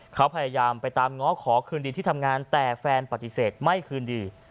เขาพยายามไปตามง้อขอคืนดีที่ทำงานแต่แฟนปฏิเสธไม่คืนดี